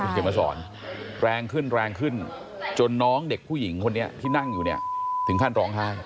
เขียนมาสอนแรงขึ้นแรงขึ้นจนน้องเด็กผู้หญิงคนนี้ที่นั่งอยู่เนี่ยถึงขั้นร้องไห้